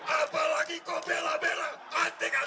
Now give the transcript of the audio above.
apalagi kobela bela antik antik